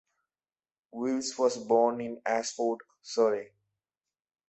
Willis was born in Ashford, Surrey.